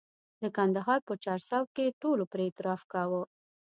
د کندهار په چارسو کې ټولو پرې اعتراف کاوه.